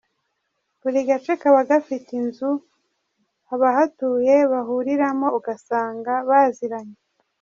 Buri gace kaba gafite inzu abahatuye bahuriramo, ugasanga baziranye.